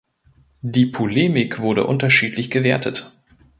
Die Polemik wurde unterschiedlich gewertet.